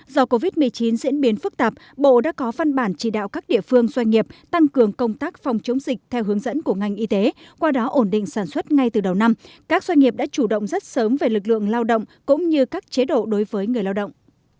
do covid một mươi chín diễn biến phức tạp bộ đã có phân bản chỉ đạo các địa phương doanh nghiệp tăng cường công tác phòng chống dịch theo hướng dẫn của ngành y tế qua đó ổn định sản xuất ngay từ đầu năm các doanh nghiệp đã chủ động rất sớm về lực lượng lao động cũng như các chế độ đối với người lao động